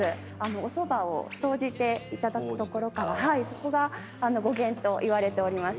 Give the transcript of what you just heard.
おそばを投じていただくところからそこが語源といわれております。